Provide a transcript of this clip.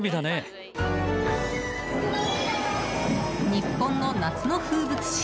日本の夏の風物詩